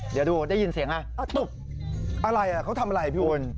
เดี๋ยวดูได้ยินเสียงฮะอะไรอ่ะเขาทำอะไรพี่วุ่น